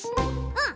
うん！